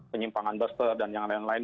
penyimpangan buster dan yang lain lain